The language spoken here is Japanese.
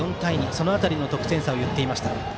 その辺りの得点差を言っていました。